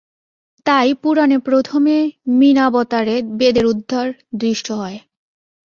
তাই পুরাণে প্রথমে মীনাবতারে বেদের উদ্ধার দৃষ্ট হয়।